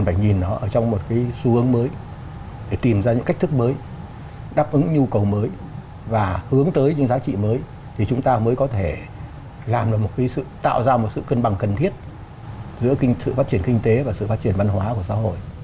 để tìm ra những cách thức mới đáp ứng nhu cầu mới và hướng tới những giá trị mới thì chúng ta mới có thể tạo ra một sự cân bằng cần thiết giữa sự phát triển kinh tế và sự phát triển văn hóa của xã hội